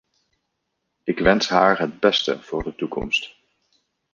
Ik wens haar het beste voor de toekomst!